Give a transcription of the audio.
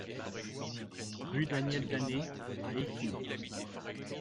Rue Daniel Danet à Eysines